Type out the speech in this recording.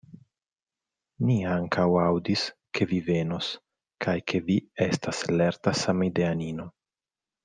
Ni ankaŭ aŭdis, ke vi venos, kaj ke vi estas lerta samideanino.